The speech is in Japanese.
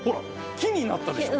木になったでしょ